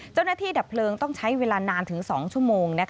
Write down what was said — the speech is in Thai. เจ้านางที่ดับเผลิงต้องใช้เวลานานถึง๒ชั่วโมง